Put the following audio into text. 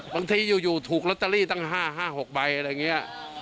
บางทีอยู่ถูกลอตเตอรี่ตั้ง๕๕๖ใบอะไรอย่างนี้